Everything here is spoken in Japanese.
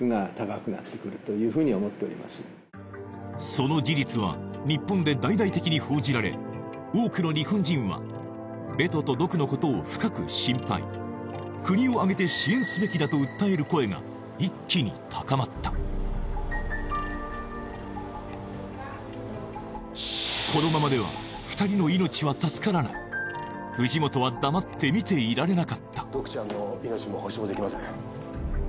その事実は日本で大々的に報じられ多くの日本人はベトとドクのことを深く心配だと訴える声が一気に高まったこのままでは２人の命は助からない藤本は黙って見ていられなかったドクちゃんの命も保証できません